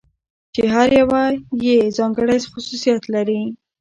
چې هره يوه يې ځانګړى خصوصيات لري .